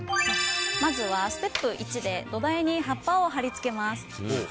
まずはステップ１で土台に葉っぱを貼り付けます。